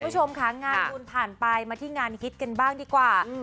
คุณผู้ชมค่ะงานบุญผ่านไปมาที่งานฮิตกันบ้างดีกว่า